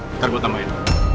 ntar gue tambahin